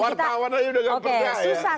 wartawan aja udah gak pernah ya